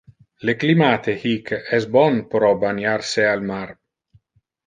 Le climate hic es bon pro baniar se al mar.